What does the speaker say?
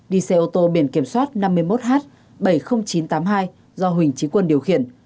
đi xe ô tô biển kiểm soát năm mươi một h bảy mươi nghìn chín trăm tám mươi hai do huỳnh trí quân điều khiển